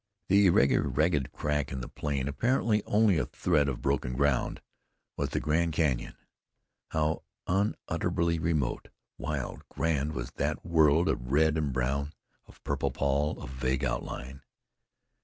The irregular ragged crack in the plain, apparently only a thread of broken ground, was the Grand Canyon. How unutterably remote, wild, grand was that world of red and brown, of purple pall, of vague outline!